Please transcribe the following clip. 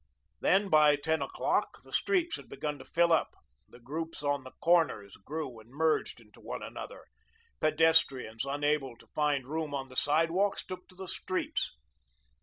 Then, by ten o'clock, the streets had begun to fill up, the groups on the corners grew and merged into one another; pedestrians, unable to find room on the sidewalks, took to the streets.